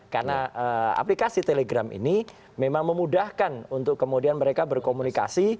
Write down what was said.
karena aplikasi telegram ini memang memudahkan untuk kemudian mereka berkomunikasi